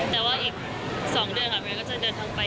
แต่ว่าอีก๒เดือนเมย์ก็จะเดินทางไป